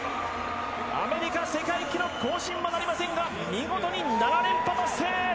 アメリカ、世界記録更新はなりませんが見事に７連覇達成！